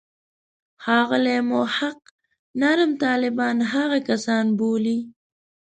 ښاغلی محق نرم طالبان هغه کسان بولي.